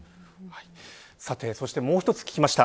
さて、そしてもう一つ聞きました。